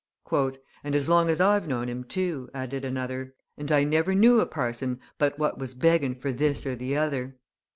"And as long as I've known him too," added another; "and I never knew a parson but what was begging for this or the other."